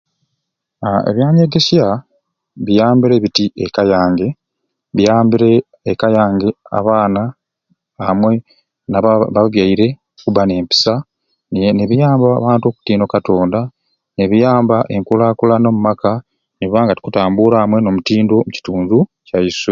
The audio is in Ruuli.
Aa ebyanyegesya biyambire biti eka yange biyambire eka yange abaana amwe naba n'ababyaire okubba n'empisa ne nebiyamba abantu okutiina o katonda nibituyamba enkulaakulana omu maka netubba nga tukutambuura amwe n'omutindo omukitundu kyaiswe.